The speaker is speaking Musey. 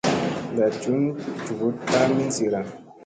Ndat njun njuvut a min zira.